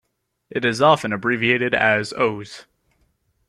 It is often abbreviated as Ose.